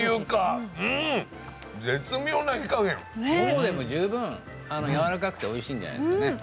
ももでも十分やわらかくておいしいんじゃないですかね。